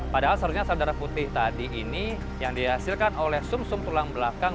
padahal seharusnya sel darah putih tadi ini yang dihasilkan oleh sum sum tulang belakang